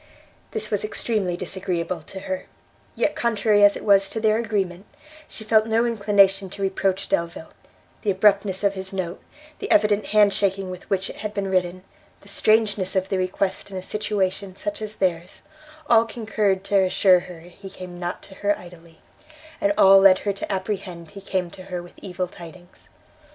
This was extremely disagreeable to her; yet, contrary as it was to their agreement, she felt no inclination to reproach Delvile; the abruptness of his note, the evident hand shaking with which it had been written, the strangeness of the request in a situation such as theirs, all concurred to assure her he came not to her idly, and all led her to apprehend he came to her with evil tidings.